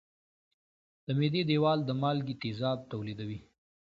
د معدې دېوال د مالګي تیزاب تولیدوي.